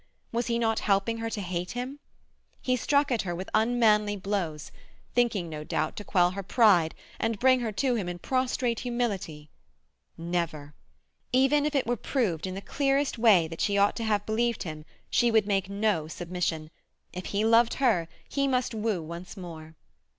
Was he not helping her to hate him? He struck at her with unmanly blows, thinking, no doubt, to quell her pride, and bring her to him in prostrate humility. Never! Even if it were proved in the clearest way that she ought to have believed him she would make no submission. If he loved her he must woo once more.